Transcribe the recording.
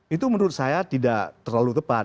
itu menurut saya tidak terlalu tepat